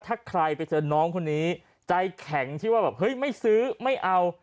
ถ้าใครไปเจอน้องคนนี้ใจแข็งที่ว่าแบบเฮ้ยไม่ซื้อไม่เอา